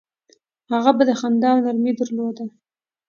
هغه به خندا او نرمي درلوده.